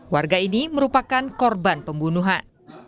warga ini merupakan korban pembunuhan